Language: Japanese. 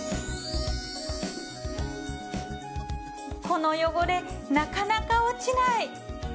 この汚れなかなか落ちない！